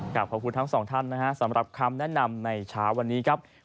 ขอบคุณทั้งสองท่านนะฮะสำหรับคำแนะนำในเช้าวันนี้ครับ